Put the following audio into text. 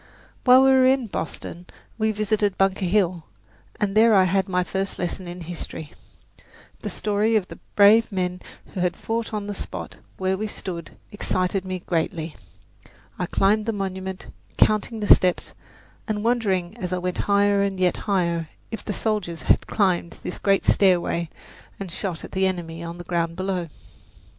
While we were in Boston we visited Bunker Hill, and there I had my first lesson in history. The story of the brave men who had fought on the spot where we stood excited me greatly. I climbed the monument, counting the steps, and wondering as I went higher and yet higher if the soldiers had climbed this great stairway and shot at the enemy on the ground below.